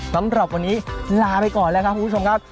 สำหรับวันนี้ลาไปก่อนแล้วครับคุณผู้ชมครับ